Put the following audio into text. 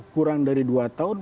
kurang dari dua tahun